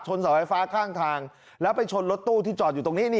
เสาไฟฟ้าข้างทางแล้วไปชนรถตู้ที่จอดอยู่ตรงนี้